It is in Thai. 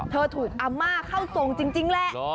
เธอถูกอาม่าเข้าทรงจริงแหละ